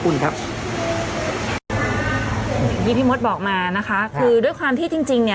อย่างที่พี่มดบอกมานะคะคือด้วยความที่จริงจริงเนี่ย